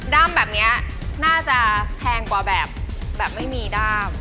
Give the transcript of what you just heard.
แบบนี้น่าจะแพงกว่าแบบไม่มีด้าม